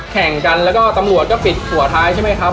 แข่งกันแล้วก็ตำรวจก็ปิดหัวท้ายใช่ไหมครับ